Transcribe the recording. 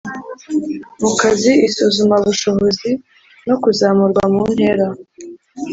mu kazi isuzumabushobozi no kuzamurwa mu ntera.